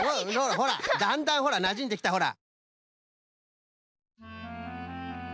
ほらだんだんほらなじんできたほら。